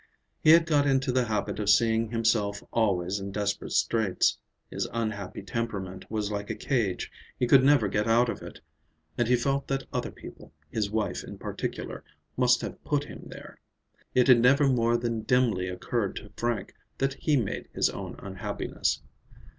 He had got into the habit of seeing himself always in desperate straits. His unhappy temperament was like a cage; he could never get out of it; and he felt that other people, his wife in particular, must have put him there. It had never more than dimly occurred to Frank that he made his own unhappiness.